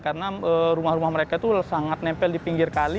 karena rumah rumah mereka itu sangat nempel di pinggir kali